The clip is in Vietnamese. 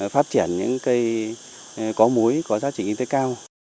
phát triển những cây có muối có giá trị kinh tế cao